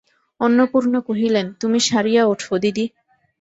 অন্নপূর্ণা কহিলেন, তুমি সারিয়া ওঠো, দিদি।